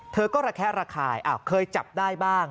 เธอก็ระแคะระคายเคยจับได้บ้าง